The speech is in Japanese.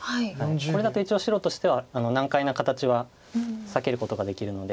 これだと一応白としては難解な形は避けることができるので。